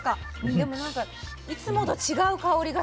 でもなんかいつもと違う香りがする。